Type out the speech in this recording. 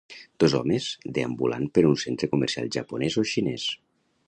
Dos homes deambulant per un centre comercial japonès o xinés.